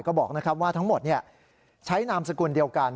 ก็บอกว่าทั้งหมดใช้นามสกุลเดียวกัน